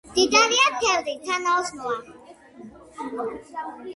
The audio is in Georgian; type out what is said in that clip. მდიდარია თევზით, სანაოსნოა.